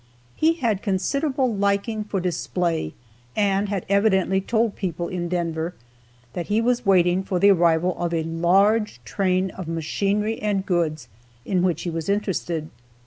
He had considerable liking for display and had evidently told people in Denver that he was waiting for the arrival of a large train of machinery and goods in which he was interested.